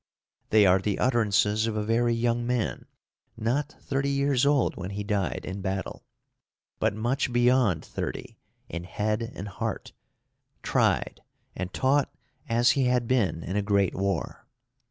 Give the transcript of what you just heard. They are the utterances of a very young man, not thirty years old when he died in battle, but much beyond thirty in head and heart, tried and taught as he had been in a great war.